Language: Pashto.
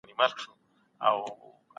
تاسو بايد د سياست په اړه رښتينې څېړنه وکړئ.